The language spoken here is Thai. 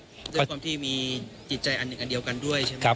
ด้วยความที่มีจิตใจอันหนึ่งอันเดียวกันด้วยใช่ไหมครับ